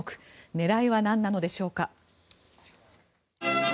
狙いはなんなのでしょうか。